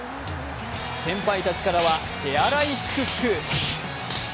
先輩たちからは手荒い祝福。